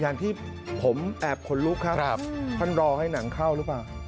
อย่างที่ผมแอบขนลุกครับท่านรอให้หนังเข้าหรือเปล่า